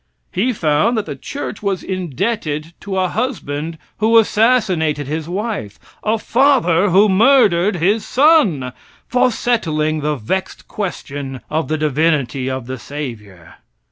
He found that the church was indebted to a husband who assassinated his wife a father who murdered his son for settling the vexed question of the divinity of the Savior.